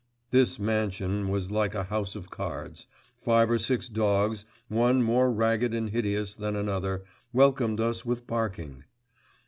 This 'mansion' was like a house of cards. Five or six dogs, one more ragged and hideous than another, welcomed us with barking.